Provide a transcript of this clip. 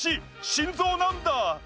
心臓なんだ。